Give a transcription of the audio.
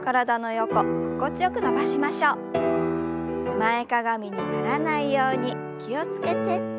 前かがみにならないように気を付けて。